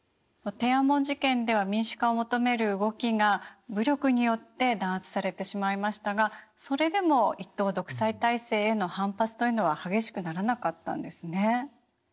天安門事件では民主化を求める動きが武力によって弾圧されてしまいましたがそれでも一党独裁体制への反発というのは激しくならなかったんですね。